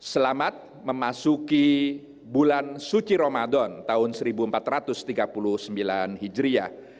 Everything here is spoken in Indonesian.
selamat memasuki bulan suci ramadan tahun seribu empat ratus tiga puluh sembilan hijriah